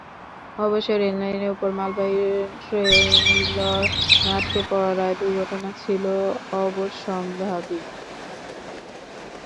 অবশ্য রেললাইনের ওপর মালবাহী ট্রেইলর আটকে পড়ায় দুর্ঘটনা ছিল প্রায় অবশ্যম্ভাবী।